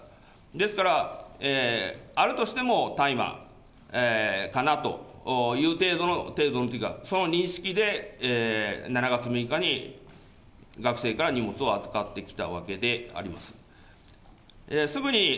ですから、あるとしても大麻かなという程度の、程度というかその認識で学生から荷物を預かってきたわけであります。